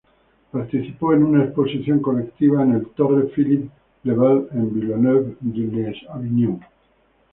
Participó en una exposición colectiva en el Torre Philippe le Bel en Villeneuve-les-Avignon.